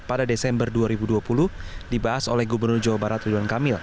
pada desember dua ribu dua puluh dibahas oleh gubernur jawa barat ridwan kamil